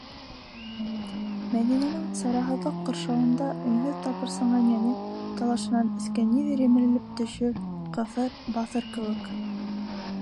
Мәҙинәнең сараһыҙлыҡ ҡоршауында өнһөҙ тыпырсынған йәне талашынан өҫкә ниҙер емерелеп төшөр, ҡыҫыр, баҫыр кеүек...